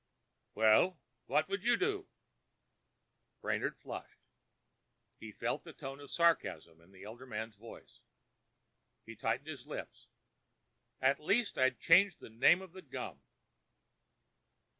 "Well, what would you do?" Brainard flushed. He felt the tone of sarcasm in the elder man's voice. He tightened his lips. "At least, I'd change the name of the gum!"